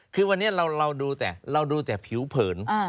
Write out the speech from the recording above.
คือวันนี้เราดูแต่ผิวเผิน